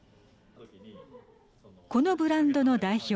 このブランドの代表